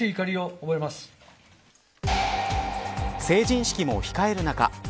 成人式も控える中